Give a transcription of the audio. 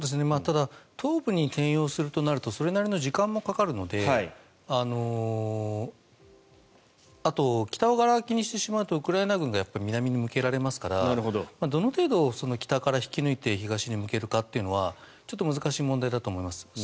ただ東部に転用するとなるとそれなりの時間もかかるのであと北をがら空きにしてしまうとウクライナ軍が南に向けられますからどの程度、北から引き抜いて東に向けるかというのはちょっと難しい問題だと思います。